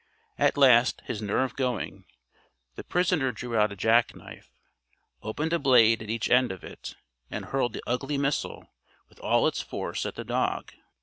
At last, his nerve going, the prisoner drew out a jackknife, opened a blade at each end of it and hurled the ugly missile with all his force at the dog.